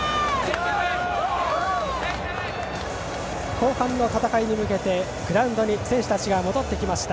後半の戦いに向けてグラウンドに選手たちが戻ってきました。